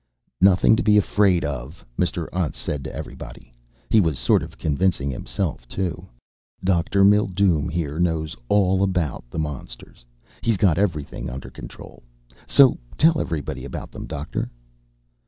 "Nothing to be afraid of," Mr. Untz said to everybody. He was sort of convincing himself too. "Dr. Mildume here knows all about the monsters. He's got everything under control. So tell everybody about them, Doctor."